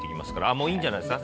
もういいんじゃないですか？